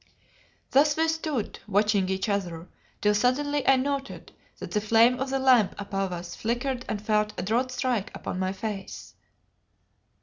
Thus we stood, watching each other, till suddenly I noted that the flame of the lamp above us flickered and felt a draught strike upon my face.